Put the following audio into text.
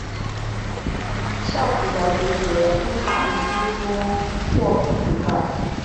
壳体的结节通常稀疏或不存在。